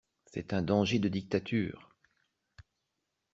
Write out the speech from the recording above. C'est un danger de dictature!